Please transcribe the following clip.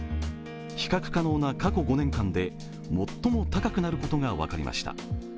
比較可能な過去５年間で最も高くなることが分かりました。